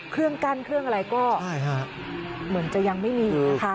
เครื่องกั้นเครื่องอะไรก็เหมือนจะยังไม่มีนะคะ